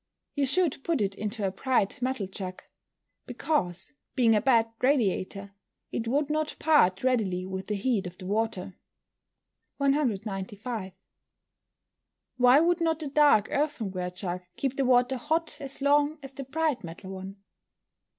_ You should put it into a bright metal jug, because, being a bad radiator, it would not part readily with the heat of the water. 195. _Why would not the dark earthenware jug keep the water hot as long as the bright metal one?